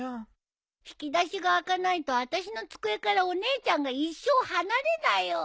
引き出しが開かないとあたしの机からお姉ちゃんが一生離れないよ。